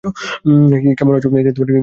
কেমন আছো, ভাই?